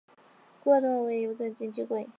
规划中的未来也会在这里接轨。